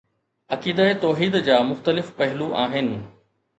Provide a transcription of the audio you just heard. عقیده توحيد جا مختلف پهلو آهن